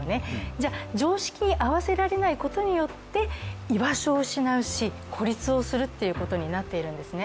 じゃあ常識に合わせられないことによって居場所を失うし、孤立をするということになっているんですね。